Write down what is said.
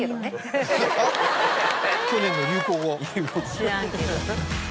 「知らんけど」。